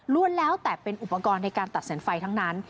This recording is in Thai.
แล้วแต่เป็นอุปกรณ์ในการตัดสินไฟทั้งนั้น